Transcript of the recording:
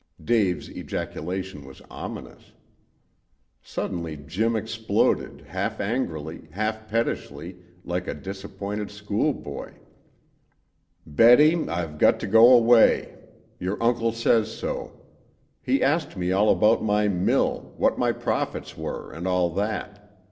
Dave's ejaculation was ominous. Suddenly Jim exploded, half angrily, half pettishly, like a disappointed schoolboy. "Betty, I've got to go away. Your uncle says so. He asked me all about my mill, what my profits were, and all that.